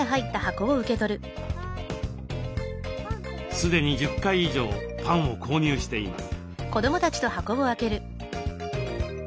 すでに１０回以上パンを購入しています。